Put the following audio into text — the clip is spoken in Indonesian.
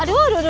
aduh aduh aduh